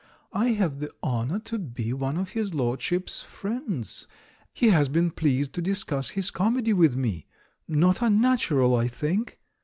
"I have the honour to be one of his lordship's friends, he has been pleased to discuss his comedy with me. Not unnatural, I think?